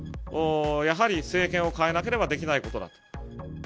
やはり政権を代えなければできないことだと。